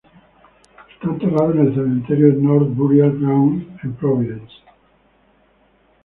Está enterrado en el cementerio de North Burial Ground en Providence.